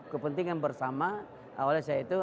kepentingan bersama oleh saya itu